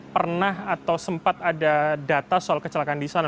pernah atau sempat ada data soal kecelakaan di sana